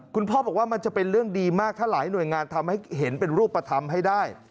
คุณพ่อบอกว่ามันจะเป็นเรื่องดีมากถ้าหลายหน่วยงานทำให้เห็นเป็นรูปธรรมให้ได้